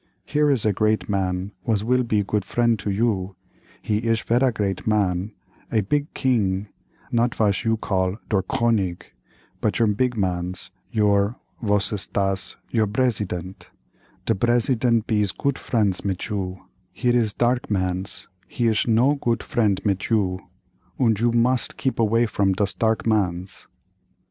Here is great man was will be good friend to you; he ish vera great man, a big king; not vas you call der könig, but your big mans, your, vos is das, your bresident—de bresident bees goot friends mit you—here is dark mans, he ish no goot friend mit you, und you must keep away from das dark mans."